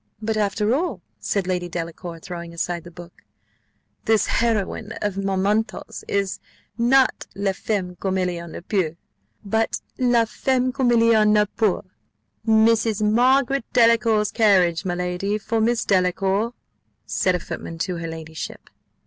"But, after all," said Lady Delacour, throwing aside the book, "This heroine of Marmontel's is not la femme comme il y en a peu, but la femme comme il n'y en a point." "Mrs. Margaret Delacour's carriage, my lady, for Miss Delacour," said a footman to her ladyship.